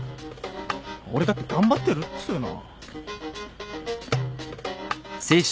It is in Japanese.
俺だって頑張ってるっつうの。